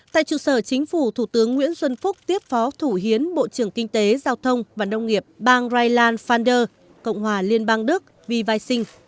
tại trực sở chính phủ thủ tướng nguyễn xuân phúc tiếp phó thủ hiến bộ trưởng kinh tế giao thông và nông nghiệp bang rheinland pfander cộng hòa liên bang đức v vaixing